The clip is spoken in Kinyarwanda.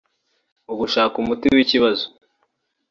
Mu gushaka umuti w’ikibazo